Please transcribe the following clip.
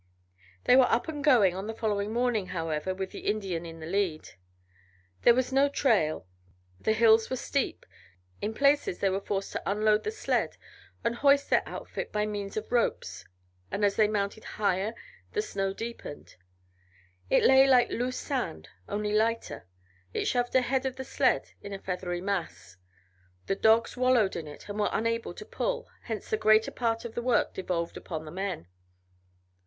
They were up and going on the following morning, however, with the Indian in the lead. There was no trail; the hills were steep; in places they were forced to unload the sled and hoist their outfit by means of ropes, and as they mounted higher the snow deepened. It lay like loose sand, only lighter; it shoved ahead of the sled in a feathery mass; the dogs wallowed in it and were unable to pull, hence the greater part of the work devolved upon the men.